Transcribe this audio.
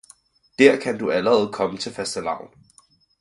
Der kan du allerede komme til fastelavn!